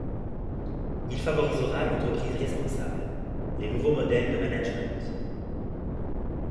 Il favorisera l’entreprise responsable, les nouveaux modèles de managements.